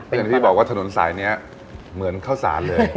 อย่างที่บอกว่าถนนสายนี้เหมือนข้าวสารเลย